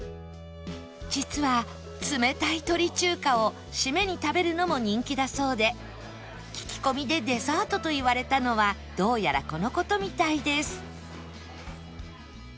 実は冷たい鳥中華をシメに食べるのも人気だそうで聞き込みでデザートと言われたのはどうやらこの事みたいです